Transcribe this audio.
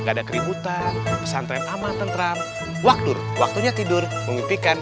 nggak ada keributan pesantren sama tentram waktu waktunya tidur mengimpikan